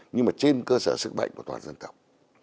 nhưng mà trên cơ sở sức mạnh của toàn dân tộc